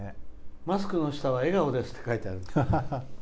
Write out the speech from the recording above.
「マスクの下は笑顔です」って書いてある。